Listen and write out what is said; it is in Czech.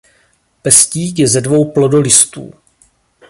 Pestík je se dvou plodolistů.